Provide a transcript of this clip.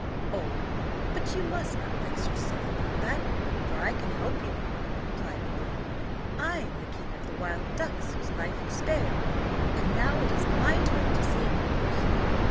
"Oh, you must not vex yourself about that, for I can help you," replied the bird. "I am the king of the wild ducks, whose life you spared, and now it is my turn to save yours."